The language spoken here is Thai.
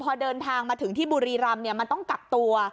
พอเดินทางมาถึงที่บุรีรำมันต้องกักตัว